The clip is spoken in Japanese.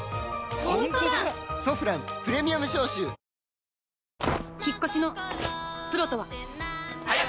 「ソフランプレミアム消臭」宮崎さん